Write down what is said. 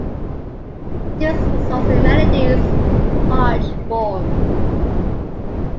This results in melodies in arch form.